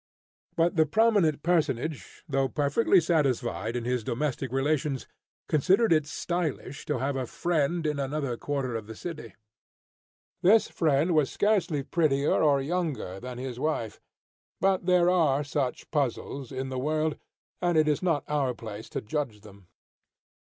But the prominent personage, though perfectly satisfied in his domestic relations, considered it stylish to have a friend in another quarter of the city. This friend was scarcely prettier or younger than his wife; but there are such puzzles in the world, and it is not our place to judge them.